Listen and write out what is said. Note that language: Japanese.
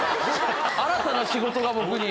新たな仕事が僕に。